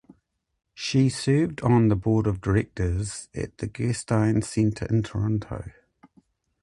She served on the board of directors at the Gerstein Centre in Toronto.